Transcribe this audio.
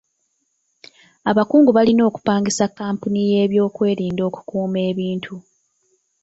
Abakungu balina okupangisa kkampuni y'ebyokwerinda okukuuma ebintu.